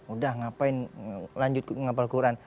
udah ngapain lanjut ngabal quran